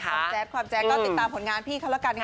ความแจ๊ดความแจ๊ดก็ติดตามผลงานพี่เขาแล้วกันค่ะ